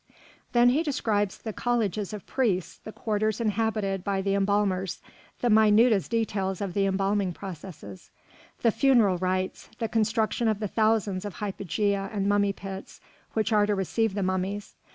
Then he describes the colleges of priests, the quarters inhabited by the embalmers, the minutest details of the embalming processes, the funeral rites, the construction of the thousands of hypogea and mummy pits which are to receive the mummies.